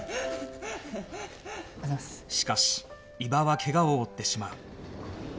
しかし伊庭は怪我を負ってしまう